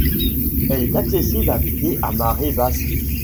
Elle est accessible à pied à marée basse.